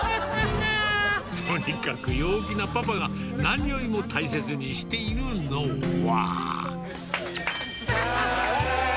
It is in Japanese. とにかく陽気なパパが、何よりも大切にしているのは。